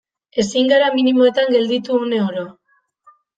Ezin gara minimoetan gelditu une oro.